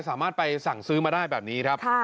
สามารถไปสั่งซื้อมาได้แบบนี้ครับ